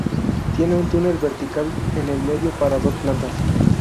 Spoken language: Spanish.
Tiene un túnel vertical en el medio para dos plantas.